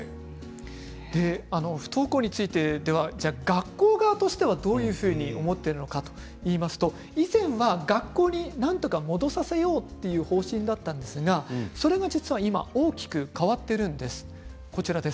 不登校について学校側としてはどう思っているのかと言いますと、以前は学校になんとか戻させようという方針だったんですけれど実は今、大きく変わっています。